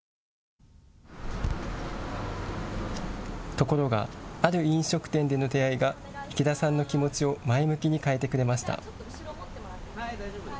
ところが、ある飲食店での出会いが池田さんの気持ちを前向きに変えてくれました。